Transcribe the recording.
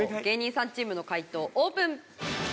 芸人さんチームの解答オープン！